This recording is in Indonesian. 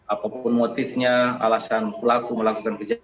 apapun motifnya alasan pelaku melakukan kejahatan